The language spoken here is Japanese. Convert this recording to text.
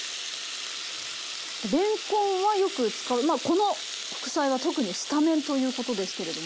れんこんはよく使うまあこの副菜は特にスタメンということですけれども。